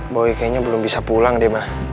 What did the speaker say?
boy kayaknya belum bisa pulang deh ma